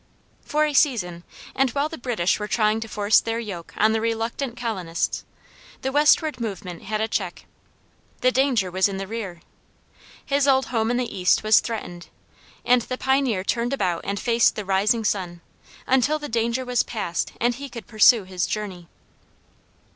For a season, and while the British were trying to force their yoke on the reluctant colonists, the westward movement had a check. The danger was in the rear. His old home in the east was threatened, and the pioneer turned about and faced the rising sun, until the danger was past and he could pursue his journey.